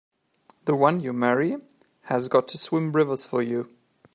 The one you marry has got to swim rivers for you!